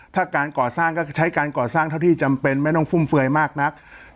ถ้าการก่อสร้างก็ใช้การก่อสร้างเท่าที่จำเป็นไม่ต้องฟุ่มเฟือยมากนัก